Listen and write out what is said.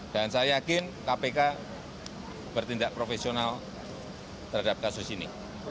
dan saya yakin kpk bertindak profesional terhadap kasus ini